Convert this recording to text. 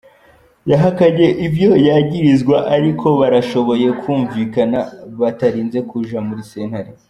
Yahakanye ivyo yagirizwa, ariko barashoboye kwumvikana batarinze kuja muri sentare.